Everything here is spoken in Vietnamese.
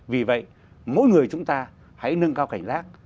vì vậy mỗi người chúng ta hãy nâng cao cảnh giác